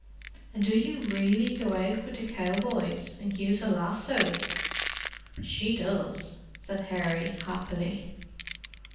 And do you really go out with the cowboys, and use a lasso?" "She does," said Harry, happily.